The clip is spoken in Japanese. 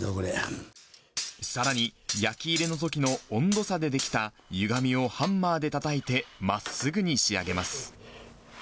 さらに、焼き入れのときの温度差で出来たゆがみをハンマーでたたいて、まっすぐに仕上げます。